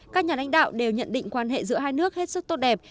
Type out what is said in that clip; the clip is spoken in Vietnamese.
các nhà lãnh đạo đều nhận định quan hệ giữa hai nước hết sức tốt đẹp